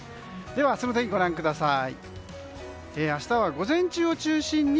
では明日の天気ご覧ください。